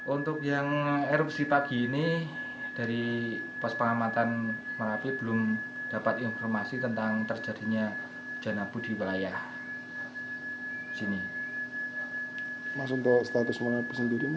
untuk yang erupsi pagi ini dari pos pengamatan merapi belum dapat informasi tentang terjadinya hujan abu di wilayah sini